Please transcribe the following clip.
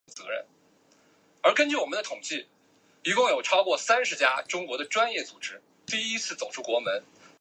阿诺皮诺镇市镇是俄罗斯联邦弗拉基米尔州古西赫鲁斯塔利内区所属的一个市镇。